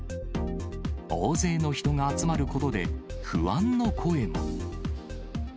大勢の人が集まることで、不安の声も。